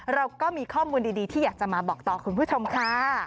เราก็มีข้อมูลดีที่อยากจะมาบอกต่อคุณผู้ชมค่ะ